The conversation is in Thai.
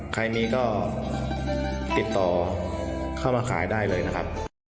ใครมีก็ติดต่อเข้ามาขายได้เลยนะครับ